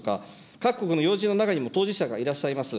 各国の要人の中にも当事者がいらっしゃいます。